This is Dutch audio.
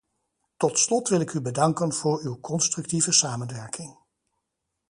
Tot slot wil ik u bedanken voor uw constructieve samenwerking.